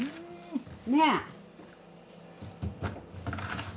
ねえ。